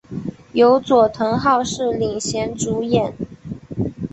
由佐藤浩市领衔主演。